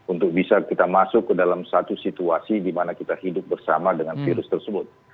untuk bisa kita masuk ke dalam satu situasi di mana kita hidup bersama dengan virus tersebut